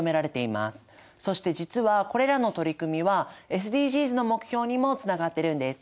そして実はこれらの取り組みはＳＤＧｓの目標にもつながってるんです。